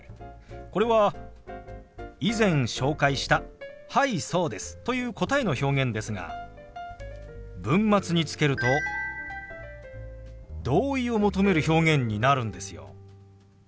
これは以前紹介した「はいそうです」という答えの表現ですが文末につけると同意を求める表現になるんですよ。